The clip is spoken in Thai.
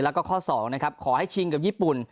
แล้วก็ข้อ๒นะครับขอให้ชิงกับญี่ปุ่น